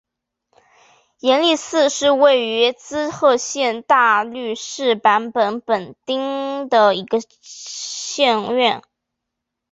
延历寺是位于滋贺县大津市坂本本町的一个寺院。